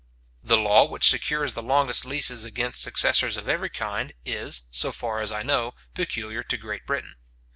The law which secures the longest leases against successors of every kind, is, so far as I know, peculiar to Great Britain.